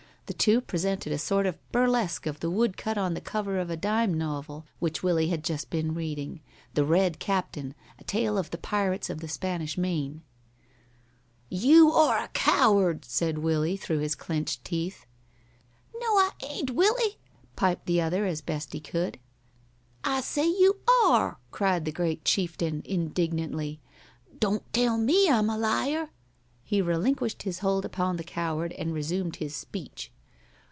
The two presented a sort of a burlesque of the wood cut on the cover of a dime novel which Willie had just been reading The Red Captain: A Tale of the Pirates of the Spanish Main. "You are a coward!" said Willie, through his clinched teeth. "No, I ain't, Willie," piped the other, as best he could. "I say you are," cried the great chieftain, indignantly. "Don't tell me I'm a liar." He relinquished his hold upon the coward and resumed his speech.